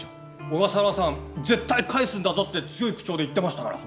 小笠原さん絶対返すんだぞって強い口調で言ってましたから。